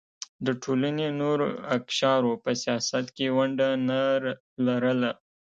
د ټولنې نورو اقشارو په سیاست کې ونډه نه لرله.